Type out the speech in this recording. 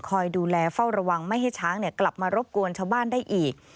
คอยดูแลเฝ้าระวังไม่ให้ช้างกลับมารบกวนชาวบ้านได้อีก